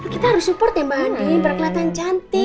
kita harus support ya mbak andi